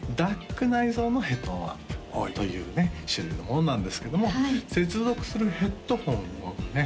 ＤＡＣ内蔵のヘッドホンアンプというね種類のものなんですけども接続するヘッドホンをね